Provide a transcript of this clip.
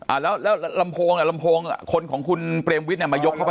อ่าแล้วแล้วลำโพงอ่ะลำโพงอ่ะคนของคุณเปรมวิทย์เนี่ยมายกเข้าไป